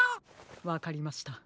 わかりました。